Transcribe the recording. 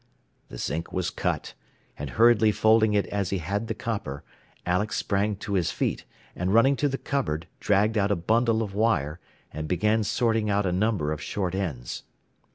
The zinc was cut, and hurriedly folding it as he had the copper, Alex sprang to his feet, and running to the cupboard, dragged out a bundle of wire, and began sorting out a number of short ends.